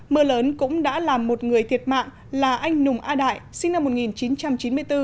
mưa lớn cũng đã làm một người thiệt mạng là anh nùng a đại sinh năm một nghìn chín trăm chín mươi bốn